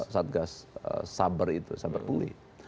satgas sabar itu saber pungli